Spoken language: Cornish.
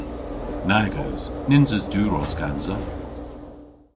Nag eus. Nyns eus diwros gansa.